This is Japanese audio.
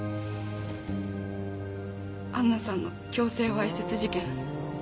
杏奈さんの強制わいせつ事件